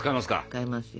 使いますよ。